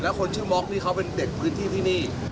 และคนชื่อมองกวีด์เป็นเด็กพื้นที่ที่นี่